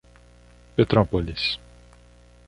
Petrópolis